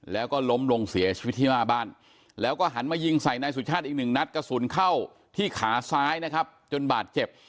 แล้วก็ล้มลงเสียชีวิตที่หน้าบ้านแล้วก็หันมายิงใส่นายสุชาติอีกหนึ่งนัดกระสุนเข้าที่ขาซ้ายนะครับจนบาดเจ็บ